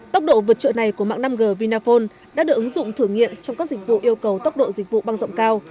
tốc độ vượt trội này của mạng năm g vinaphone đã được ứng dụng thử nghiệm trong các dịch vụ yêu cầu tốc độ dịch vụ băng rộng cao